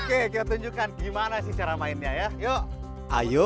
oke kita tunjukkan gimana sih cara mainnya ya